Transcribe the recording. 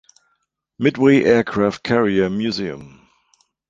Midway aircraft carrier museum.